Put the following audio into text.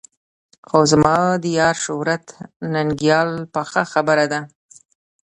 خو زما د یار شهرت ننګیال پخه خبره ده.